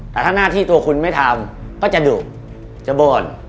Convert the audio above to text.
แต่ถ้าหน้าที่ตัวคุณไม่ทำก็จะดุจะบ่น